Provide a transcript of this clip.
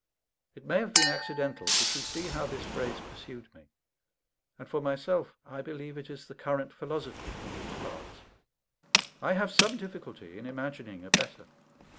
It may have been accidental, but you see how this phrase pursued me; and for myself, I believe it is the current philosophy in these parts. I have some difficulty in imagining a better.